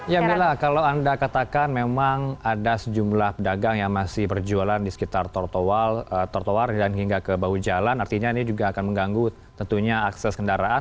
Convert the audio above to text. ya mila kalau anda katakan memang ada sejumlah pedagang yang masih berjualan di sekitar trotoar dan hingga ke bahu jalan artinya ini juga akan mengganggu tentunya akses kendaraan